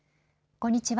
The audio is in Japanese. こんにちは。